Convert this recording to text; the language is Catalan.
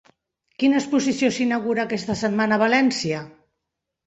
Quina exposició s'inaugura aquesta setmana a València?